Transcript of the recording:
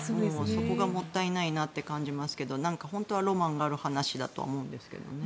そこがもったいないなと感じますけど本当はロマンがある話だとは思うんですけどね。